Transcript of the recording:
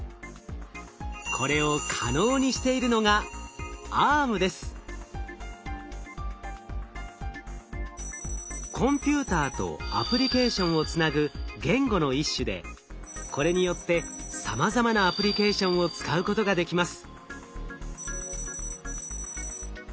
これを可能にしているのがコンピューターとアプリケーションをつなぐ言語の一種でこれによってさまざまなアプリケーションを使うことができます。